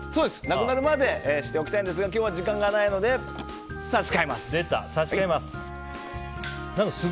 なくなるまでしておきたいんですが今日は時間がないので差し替えます。